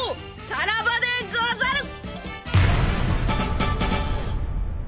さらばでござる！